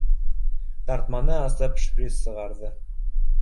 Тартманы асып, шприц сығарҙы.